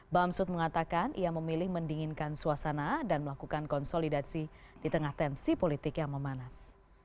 bamsud mengatakan ia memilih mendinginkan suasana dan melakukan konsolidasi di tengah tensi politik yang memanas